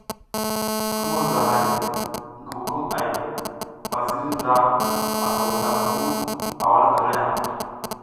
Sukumung ndrahay, ngubukumʼay a ziriy ndra asa wudam vu a wala tang ya.